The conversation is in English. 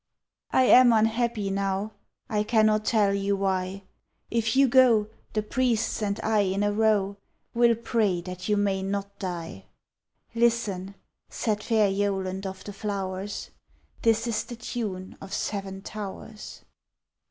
_ I am unhappy now, I cannot tell you why; If you go, the priests and I in a row Will pray that you may not die. _Listen! said fair Yoland of the flowers, This is the tune of Seven Towers.